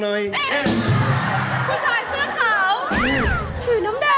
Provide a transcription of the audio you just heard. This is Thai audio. โรเบิร์ตครับ